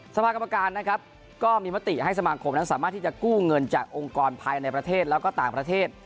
สภากรรมการนะครับก็มีมติให้สมาคมนั้นสามารถที่จะกู้เงินจากองค์กรภายในประเทศแล้วก็ต่างประเทศ